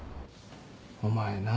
お前なぁ